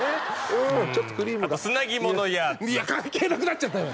うんちょっとクリームがあと砂肝のやーついや関係なくなっちゃったよ！